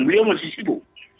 beliau masih sibuk